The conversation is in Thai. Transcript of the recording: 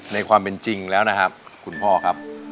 ในความเป็นจริงแล้วนะครับคุณพ่อครับ